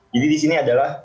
jadi disini adalah